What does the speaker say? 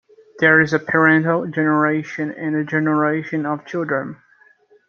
There is a parental generation and a generation of children.